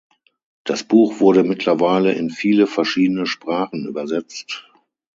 Das Buch wurde mittlerweile in viele verschiedene Sprachen übersetzt.